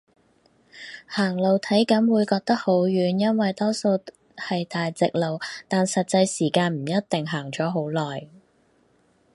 行路體感會覺得好遠，因為多數係大直路，但實際時間唔一定行咗好耐